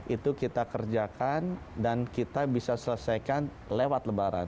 itu kita kerjakan dan kita bisa selesaikan lewat lebaran